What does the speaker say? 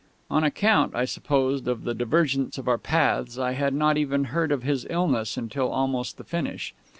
On account, I suppose, of the divergence of our paths, I had not even heard of his illness until almost the finish.